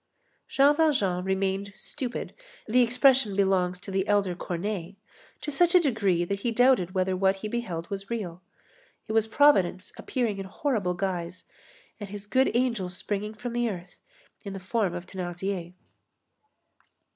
Jean Valjean "remained stupid"—the expression belongs to the elder Corneille—to such a degree that he doubted whether what he beheld was real. It was Providence appearing in horrible guise, and his good angel springing from the earth in the form of Thénardier.